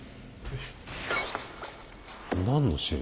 何の種類？